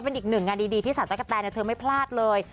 เป็นอีกหนึ่งงานดีที่สาวตะกะแตนเธอไม่พลาดเลย